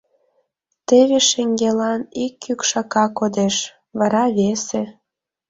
Теве шеҥгелан ик кӱкшака кодеш, вара — весе.